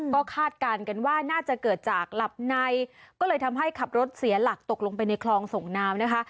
ก็คาดการณ์กันว่าน่าจะเกิดจากหลับในก็เลยทำให้ขับรถเสียหลักตกลงไปในคลองส่งน้ำนะคะ